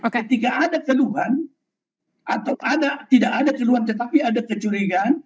ketika ada keluhan atau tidak ada keluhan tetapi ada kecurigaan